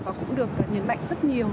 và cũng được nhấn mạnh rất nhiều